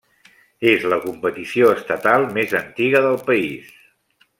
És la competició estatal més antiga del país.